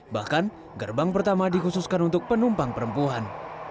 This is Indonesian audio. bahkan gerbang pertama dikhususkan untuk penumpang perempuan